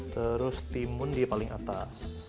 terus timun di paling atas